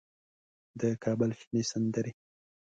د کابل شنې سندرې